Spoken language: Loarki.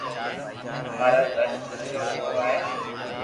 اما رو گھر ڪچو ٺيورو ھي